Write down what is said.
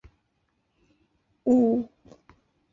缘毛紫菀为菊科紫菀属的植物。